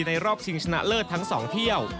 รอบชิงชนะเลิศทั้ง๒เที่ยว